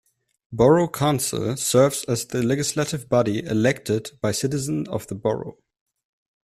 Borough Council serves as the legislative body elected by citizens of the borough.